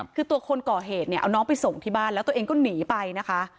คือตัวคนก่อเหตุเนี่ยเอาน้องไปส่งที่บ้านแล้วตัวเองก็หนีไปนะคะ